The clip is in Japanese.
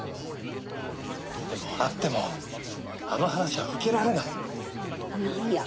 でも会ってもあの話は受けられない。